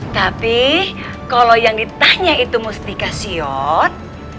tapi kalau yang ditanya itu mustika sion